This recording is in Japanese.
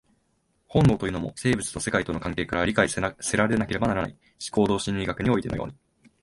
本能というのも、生物と世界との関係から理解せられなければならない、行動心理学においてのように。